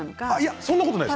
そんなことないです。